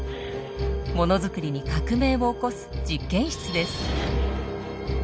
ものづくりに革命を起こす実験室です。